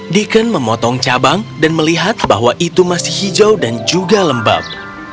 deacon memotong cabang dan melihat bahwa itu masih hijau dan juga lembab